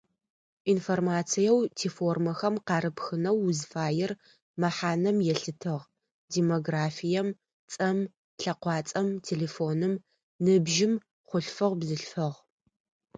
Информациеу тиформэхэм къарыпхынэу узфаер мэхьанэм елъытыгъ; демографием, цӏэм, лъэкъуацӏэм, телефоным, ныбжьым, хъулъфыгъ-бзылъфыгъ.